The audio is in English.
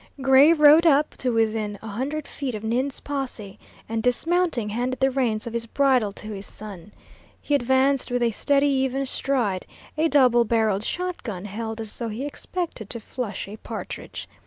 Gray rode up to within a hundred feet of Ninde's posse, and dismounting handed the reins of his bridle to his son. He advanced with a steady, even stride, a double barreled shotgun held as though he expected to flush a partridge.